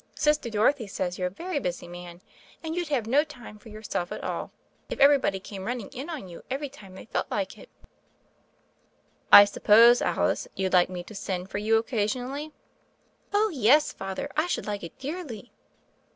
Sister Dorothy says you're a very busy man, and you'd have no time for your self at all if everybody came running in on you every time they felt like it." "I suppose, Alice, you'd like me to send for you occasionally." "Oh, yes. Father : I should like it dearly."